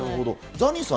ザニーさん